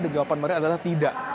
dan jawaban miriam adalah tidak